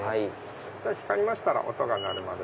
光りましたら音が鳴るまで。